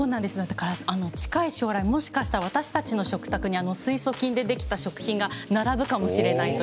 だから近い将来もしかしたら私たちの食卓に水素菌で出来た食品が並ぶかもしれないという。